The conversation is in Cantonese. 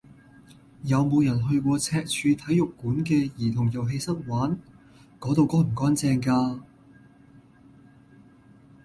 有無人去過赤柱體育館嘅兒童遊戲室玩？嗰度乾唔乾淨㗎？